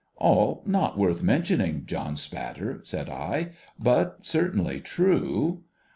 ' AH not worth mentioning, John Spatter,' said I, ' but certainly true.'